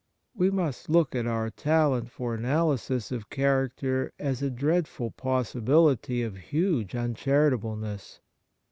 We must look at our talent for analysis of character as a dreadful possi bility of huge uncharitableness.